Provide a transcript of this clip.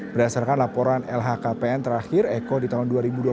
berdasarkan laporan lhkpn terakhir eko di tahun dua ribu dua puluh